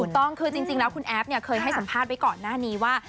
ถูกต้องคือจริงแล้วคุณแอฟเนี่ยเคยให้สัมภาษณ์ไว้ก่อนหน้านี้ว่า